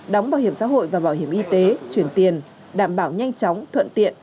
đóng bảo hiểm xã hội và bảo hiểm y tế chuyển tiền đảm bảo nhanh chóng thuận tiện